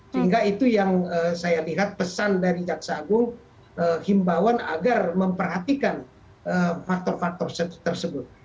sehingga itu yang saya lihat pesan dari jaksa agung himbawan agar memperhatikan faktor faktor tersebut